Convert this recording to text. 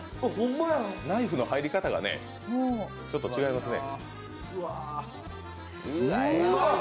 ナイフの入り方がちょっと違いますね。